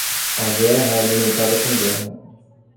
A guerra é alimentada com guerra.